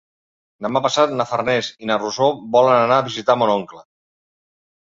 Demà passat na Farners i na Rosó volen anar a visitar mon oncle.